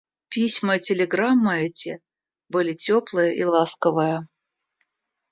Письма и телеграммы эти были теплые и ласковые.